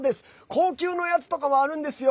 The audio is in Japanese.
高級のやつとかもあるんですよ。